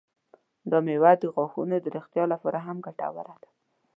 دا میوه د غاښونو د روغتیا لپاره هم ګټوره ده.